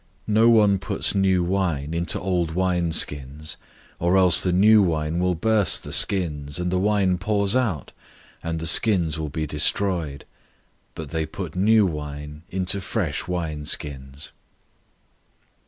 002:022 No one puts new wine into old wineskins, or else the new wine will burst the skins, and the wine pours out, and the skins will be destroyed; but they put new wine into fresh wineskins."